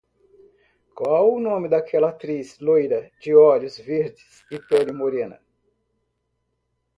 Qual o nome daquela atriz loira, dos olhos verdes e pele morena?